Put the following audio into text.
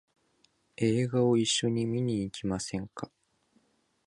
映画を一緒に見に行きませんか？